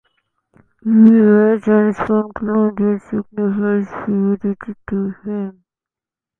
He wears hand spun cloth that signifies purity to him.